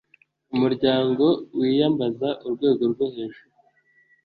umuryango wiyambaza urwego rwo hejuru